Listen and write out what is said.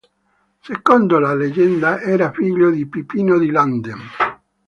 Secondo la leggenda era figlio di Pipino di Landen.